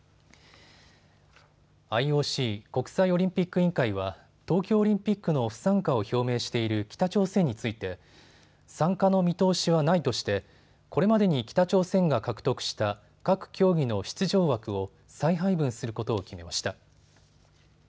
ＩＯＣ・国際オリンピック委員会は東京オリンピックの不参加を表明している北朝鮮について参加の見通しはないとしてこれまでに北朝鮮が獲得した各競技の出場枠を再配分することを決めました。